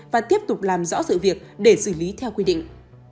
và tiếp tục làm rõ sự việc để xử lý theo quy định